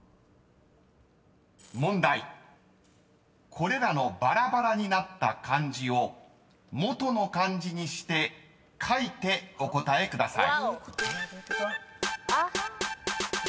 ［これらのバラバラになった漢字を元の漢字にして書いてお答えください］